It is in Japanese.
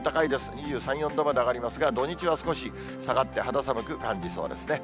２３、４度まで上がりますが、土日は少し下がって、肌寒く感じそうですね。